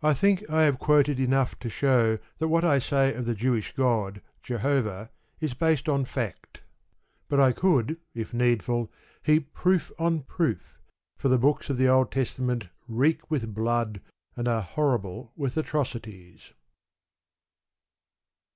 I think I have quoted enough to show that what I say of the Jewish God Jehovah is based on fact. But I could, if needful, heap proof on proof, for the books of the Old Testament reek with blood, and are horrible with atrocities.